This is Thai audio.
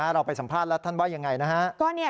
เราไปสัมภาษณ์แล้วท่านบ้าอย่างไร